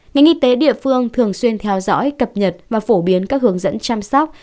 ngành y tế địa phương thường xuyên theo dõi cập nhật và phổ biến các hướng dẫn chăm sóc